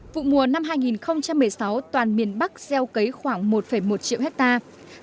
vụ mùa năm hai nghìn một mươi sáu toàn miền bắc gieo cấy khoảng một một triệu hectare